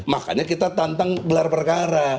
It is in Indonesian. makanya kita tantang gelar perkara